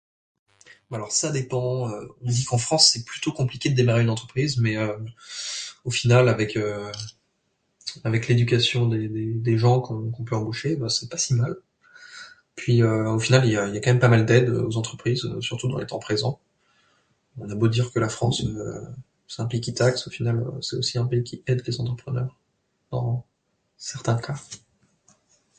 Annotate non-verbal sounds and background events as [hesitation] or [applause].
bon alors ça dépend [hesitation] on dit qu'en France c'est plutôt compliqué de démarrer une entreprise, mais [hesitation] au final avec [hesitation] avec l'éducation des des des gens qu'on qu'on peut embaucher et ben c'est pas si mal puis [hesitation] au final il y a pas mal d'aides [hesitation] aux entreprises surtout dans les temps présents. On a beau dire que la France [hesitation] c'est un pays qui taxe au final [hesitation] c'est aussi un pays qui aide les entrepreneurs dans certains cas.